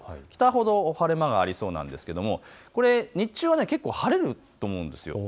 北ほど晴れ間がありそうなんですけれども日中は結構、晴れると思うんです。